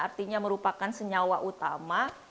artinya merupakan senyawa utama